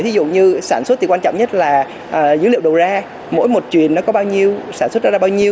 thí dụ như sản xuất thì quan trọng nhất là dữ liệu đồ ra mỗi một truyền nó có bao nhiêu sản xuất ra bao nhiêu